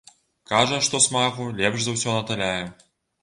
Кажа, што смагу лепш за ўсё наталяе.